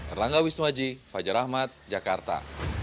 erlangga wisnuaji fajar ahmad jakarta